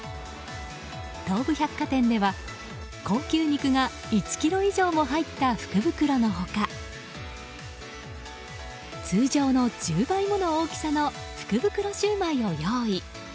東武百貨店では、高級肉が１ｋｇ以上も入った福袋の他通常の１０倍もの大きさの福袋シューマイを用意。